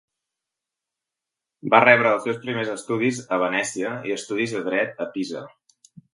Va rebre els seus primers estudis a Venècia i estudis de Dret a Pisa.